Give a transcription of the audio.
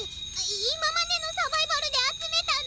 いままでのサバイバルであつめたの。